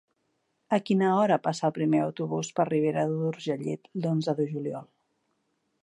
A quina hora passa el primer autobús per Ribera d'Urgellet l'onze de juliol?